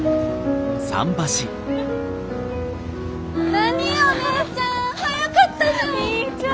何お姉ちゃん早かったじゃん！